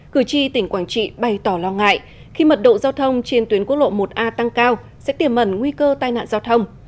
cử tri tỉnh quảng trị bày tỏ lo ngại khi mật độ giao thông trên tuyến quốc lộ một a tăng cao sẽ tiềm mẩn nguy cơ tai nạn giao thông